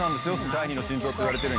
第二の心臓といわれてる。